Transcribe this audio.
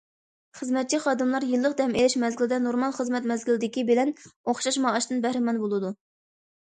خىزمەتچى خادىملار يىللىق دەم ئېلىش مەزگىلىدە نورمال خىزمەت مەزگىلىدىكى بىلەن ئوخشاش مائاشتىن بەھرىمەن بولىدۇ.